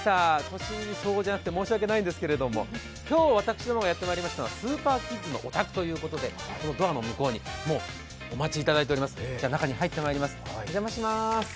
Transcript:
年相応じゃなくて申し訳ないんですけど今日私どもがやってまいりましたのはスーパーキッズのお宅ということでドアの向こうにもうお待ちいただいております。